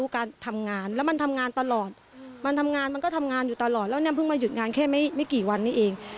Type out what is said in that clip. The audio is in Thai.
เขาทำงานอยู่ตลอดแล้วเนี่ยเพิ่งมาหยุดงานแค่ไม่กี่วันเนี่ยเอง